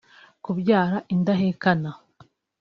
kubyara indahekana